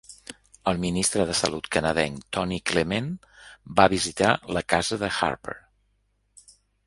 El ministre de salut canadenc Tony Clement va visitar la casa de Harper.